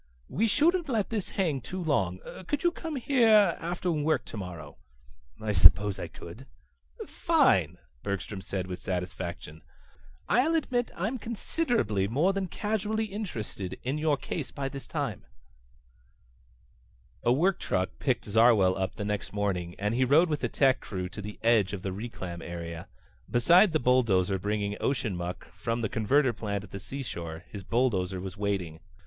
"We shouldn't let this hang too long. Could you come here after work tomorrow?" "I suppose I could." "Fine," Bergstrom said with satisfaction. "I'll admit I'm considerably more than casually interested in your case by this time." A work truck picked Zarwell up the next morning and he rode with a tech crew to the edge of the reclam area. Beside the belt bringing ocean muck from the converter plant at the seashore his bulldozer was waiting.